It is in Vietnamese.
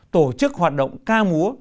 tổ chức hoạt động ca múa